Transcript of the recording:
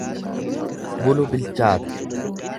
Bulu bilchaata.